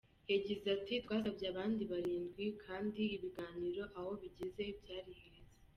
Yagize ati “Twasabye abandi barindwi kandi ibiganiro aho bigeze byari heza.